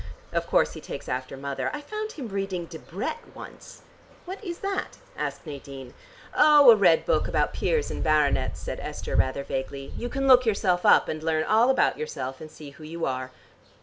Of course he takes after mother. I found him reading Debrett once." "What is that?" asked Nadine. "Oh, a red book about peers and baronets," said Esther rather vaguely. "You can look yourself up, and learn all about yourself, and see who you are."